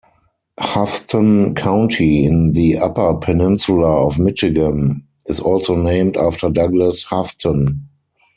Houghton County, in the Upper Peninsula of Michigan is also named after Douglass Houghton.